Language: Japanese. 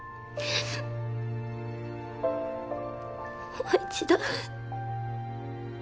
もう１度。